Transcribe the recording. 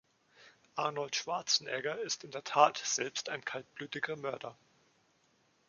Arnold Schwarzenegger ist in der Tat selbst ein kaltblütiger Mörder.